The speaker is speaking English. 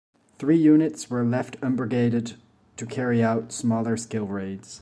Three units were left unbrigaded to carry out smaller-scale raids.